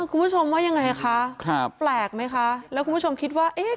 คุณผู้ชมว่ายังไงคะครับแปลกไหมคะแล้วคุณผู้ชมคิดว่าเอ๊ะ